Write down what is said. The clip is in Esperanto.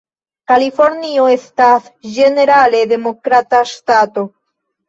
Kalifornio estas ĝenerale Demokrata ŝtato.